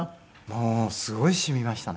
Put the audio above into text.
もうすごいしみましたね。